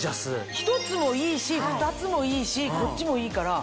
１つもいいし２つもいいしこっちもいいから。